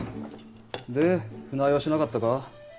で船酔いはしなかったか？